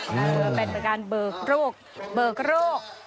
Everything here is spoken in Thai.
เพื่อเป็นการเบิกโรค